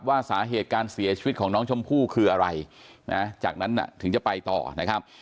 ว่าสาเหตุการเสียชีวิตของน้องชมพู่คืออะไรนะจากนั้นถึงจะไปต่อนะครับ